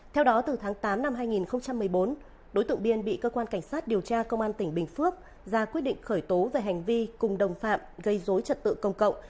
theo đó từ tháng tám năm hai nghìn một mươi bốn đối tượng biên bị cơ quan cảnh sát điều tra công an tỉnh bình phước ra quyết định khởi tố về hành vi cùng đồng phạm gây dối trật tự công cộng